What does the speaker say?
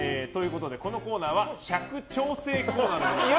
このコーナーは尺調整コーナーでございます。